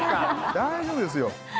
大丈夫ですよ